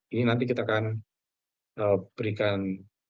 ini nanti kita akan berikan